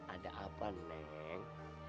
ada apa nenek